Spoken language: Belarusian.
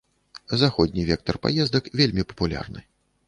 Заходні вектар паездак вельмі папулярны.